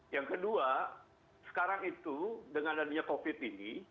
yang kedua sekarang itu dengan adanya covid ini